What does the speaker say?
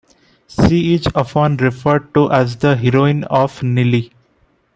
She is often referred to as the heroine of Nili.